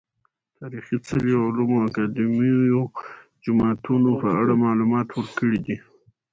تاريخي څلي، علومو اکادميو، جوماتونه په اړه معلومات ورکړي دي .